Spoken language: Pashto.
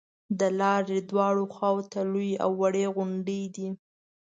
د لارې دواړو خواو ته لویې او وړې غونډې دي.